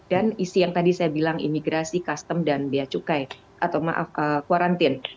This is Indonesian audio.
dan isi yang tadi saya bilang imigrasi custom dan biaya cukai atau maaf kuarantin